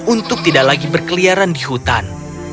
untuk tidak lagi berkeliaran di hutan